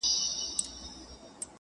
دا خپله وم,